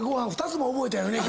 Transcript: ２つも覚えたよね。